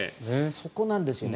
そこなんですね。